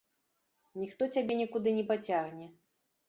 Ніхто цябе нікуды не пацягне.